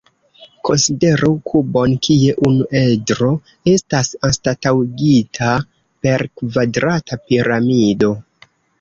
Konsideru kubon kie unu edro estas anstataŭigita per kvadrata piramido.